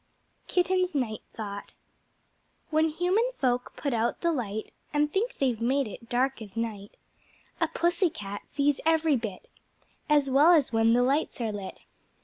Kitten's Night Thought When Human Folk put out the light, And think they've made it dark as night, A Pussy Cat sees every bit As well as when the lights are lit.